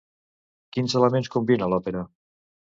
Quins elements combina l'òpera?